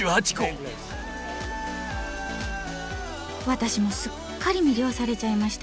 私もすっかり魅了されちゃいました。